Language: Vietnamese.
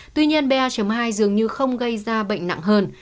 tuy nhiên ba hai dường như không gây ra bệnh nặng hơn